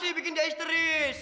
ah lo sih bikin dia isteris